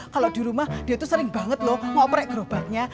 kalau di rumah dia tuh sering banget lho mau oprek gerobaknya